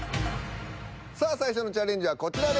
さあ最初のチャレンジはこちらです。